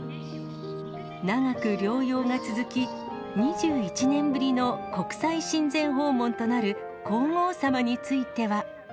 長く療養が続き、２１年ぶりの国際親善訪問となる皇后さまについては。